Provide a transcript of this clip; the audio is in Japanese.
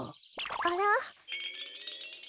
あら？